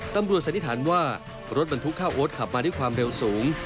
สันนิษฐานว่ารถบรรทุกข้าวโอ๊ตขับมาด้วยความเร็วสูง